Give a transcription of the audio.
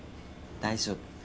大丈夫。